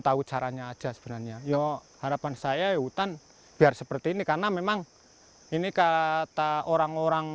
tahu caranya aja sebenarnya ya harapan saya hutan biar seperti ini karena memang ini kata orang orang